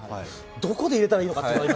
どこで入れたらいいかなと。